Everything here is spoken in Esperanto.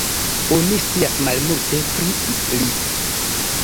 Oni scias malmulte pri li.